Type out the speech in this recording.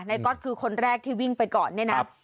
ก๊อตคือคนแรกที่วิ่งไปก่อนเนี่ยนะ